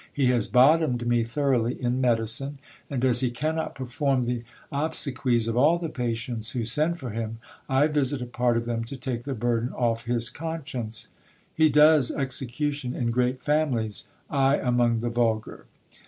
He has bot tomed me thoroughly in medicine ; and, as he cannot perform the obsequies of all the patients who send for him, I visit a part of them to take the burden off his conscience. He does execution in great families, I among the vulgar.